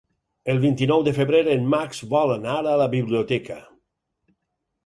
El vint-i-nou de febrer en Max vol anar a la biblioteca.